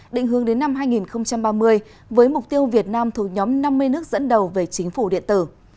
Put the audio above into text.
định hướng đến năm hai nghìn ba mươi với mục tiêu việt nam thuộc nhóm năm mươi nước dẫn đầu về chính phủ điện tử